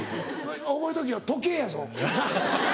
覚えとけよ時計やぞなっ。